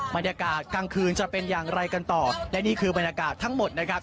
บรรยากาศกลางคืนจะเป็นอย่างไรกันต่อและนี่คือบรรยากาศทั้งหมดนะครับ